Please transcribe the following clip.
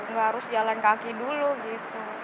gak harus jalan kaki dulu gitu